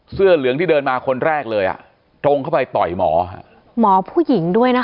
เสื้อเหลืองที่เดินมาคนแรกเลยอ่ะตรงเข้าไปต่อยหมอหมอผู้หญิงด้วยนะคะ